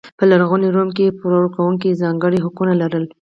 په لرغوني روم کې پور ورکوونکو ځانګړي حقونه لرل.